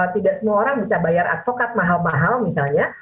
tidak semua orang bisa bayar advokat mahal mahal misalnya